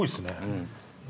うん。